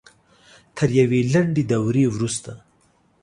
تر یوې لنډې دورې وروسته